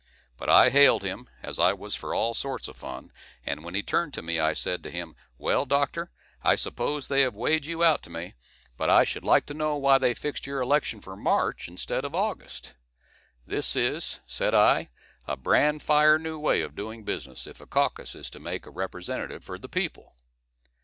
But I hailed him, as I was for all sorts of fun; and when he turned to me, I said to him, "Well, doctor, I suppose they have weighed you out to me; but I should like to know why they fixed your election for March instead of August? This is," said I, "a branfire new way of doing business, if a caucus is to make a representative for the people!"